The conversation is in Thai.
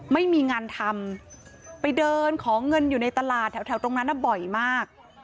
ไม่มีงานทำไปเดินขอเงินอยู่ในตลาดแถวตรงนั้นบ่อยมาก